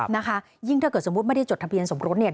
นะคะยิ่งถ้าเกิดสมมุติไม่ได้จดทะเบียนสมรสเนี่ย